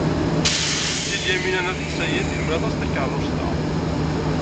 Setti Lyamina n At Ḥsayen tḥemmel aṭas takeṛṛust-a.